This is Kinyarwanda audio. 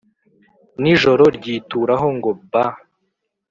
n’ijoro ryituraho ngo ba